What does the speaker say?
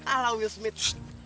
alah will smith